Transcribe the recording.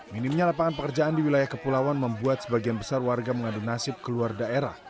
minimnya lapangan pekerjaan di wilayah kepulauan membuat sebagian besar warga mengadu nasib keluar daerah